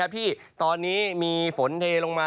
ที่ตอนนี้มีฝนเทลงมา